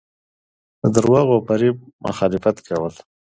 د درواغو او فریب مخالفت کول.